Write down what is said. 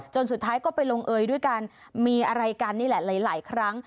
สุดท้ายก็ไปลงเอยด้วยกันมีอะไรกันนี่แหละหลายครั้ง